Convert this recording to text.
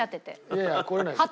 いやいや来れないです。